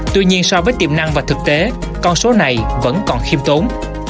tuy nhiên so với tiềm năng và thực tế con số này vẫn còn khiêm tốn